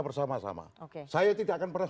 bersama sama saya tidak akan pernah